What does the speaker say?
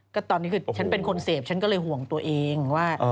ก็ตอนนี้คือฉันเป็นคนเสพฉันก็เลยห่วงตัวเองว่า